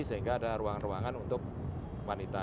sehingga ada ruangan ruangan untuk wanita